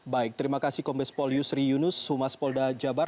baik terima kasih kombes pauliusri yunus sumas polda jabar